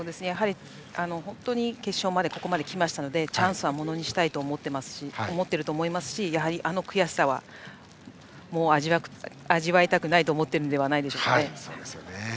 決勝まで来ましたのでチャンスはものにしたいと思っていると思いますしやはり、あの悔しさは味わいたくないと思っているんじゃないでしょうか。